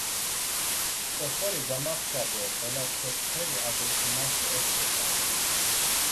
Oxori gamapça do elatzopxeri a doxunaşe ep̌ç̌opare.